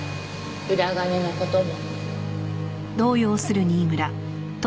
裏金の事も。